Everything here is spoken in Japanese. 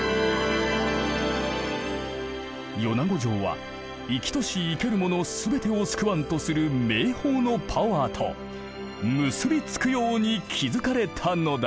米子城は生きとし生けるもの全てを救わんとする名峰のパワーと結び付くように築かれたのだ。